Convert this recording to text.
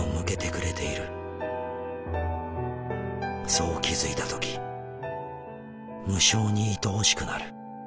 そう気づいた時無性に愛おしくなる。